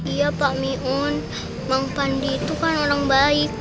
iya pak miun bang pandi itu kan orang baik